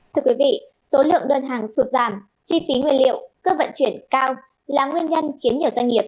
thưa quý vị số lượng đơn hàng sụt giảm chi phí nguyên liệu cơ vận chuyển cao là nguyên nhân khiến nhiều doanh nghiệp